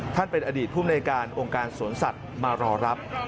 ท่านเป็นอดีตภูมิในการองค์การสวนสัตว์มารอรับ